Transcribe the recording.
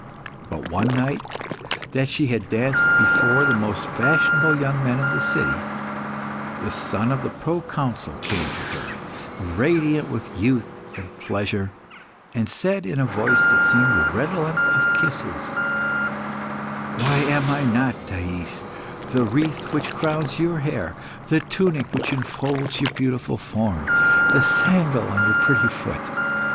But one night that she had danced before the most fashionable young men of the city, the son of the pro consul came to her, radiant with youth and pleasure, and said, in a voice that seemed redolent of kisses "Why am I not, Thais, the wreath which crowns your hair, the tunic which enfolds your beautiful form, the sandal on your pretty foot?